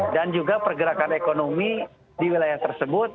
dan juga pergerakan ekonomi di wilayah tersebut